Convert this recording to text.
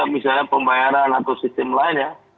misalnya pembayaran atau sistem lain ya